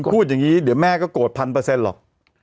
พูดอย่างนี้เดี๋ยวแม่ก็โกรธพันเปอร์เซ็นต์หรอก